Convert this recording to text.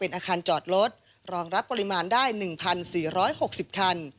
อาคารจอดรถรองรับปริมาณได้๑๔๖๐คัน